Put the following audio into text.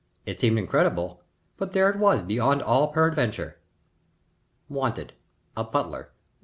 It seemed incredible, but there it was beyond all peradventure: "WANTED. A Butler.